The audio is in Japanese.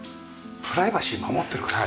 プライバシー守ってるから。